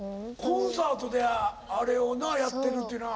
コンサートであれをなやってるっていうのは。